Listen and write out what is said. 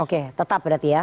oke tetap berarti ya